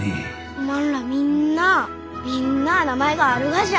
おまんらみんなあみんなあ名前があるがじゃ？